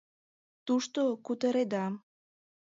— Тушто кутыреда.